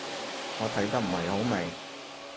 我睇得唔係好明